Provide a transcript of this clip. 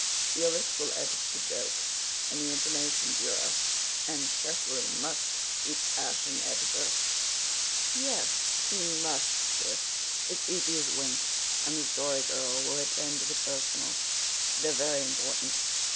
Felix will edit the jokes and the Information Bureau, and Cecily must be fashion editor. Yes, you must, Sis. It's easy as wink. And the Story Girl will attend to the personals. They're very important.